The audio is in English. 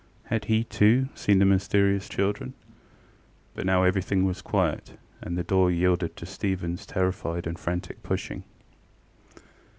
Had he, too, seen the mysterious children? But now everything was quiet, and the door yielded to StephenŌĆÖs terrified and frantic pushing.